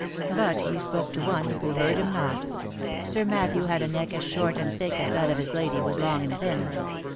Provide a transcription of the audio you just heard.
But he spoke to one who heard him not. Sir Matthew had a neck as short and thick as that of his lady was long and thin.